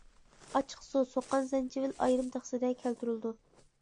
ئاچچىقسۇ، سوققان زەنجىۋىل ئايرىم تەخسىدە كەلتۈرۈلىدۇ.